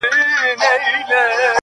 د رندانو له مستۍ به تیارې تښتي -